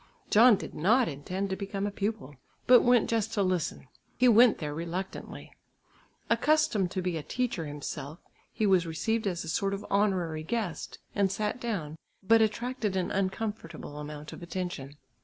John did not intend to become a pupil, but went just to listen. He went there reluctantly. Accustomed to be a teacher himself, he was received as a sort of honorary guest, and sat down, but attracted an uncomfortable amount of attention.